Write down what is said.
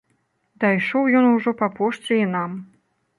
Дайшоў ён ужо па пошце і нам.